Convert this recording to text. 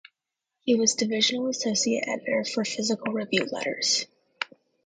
He was Divisional Associate Editor for Physical Review Letters.